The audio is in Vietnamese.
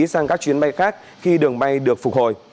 sang các chuyến bay khác khi đường bay được phục hồi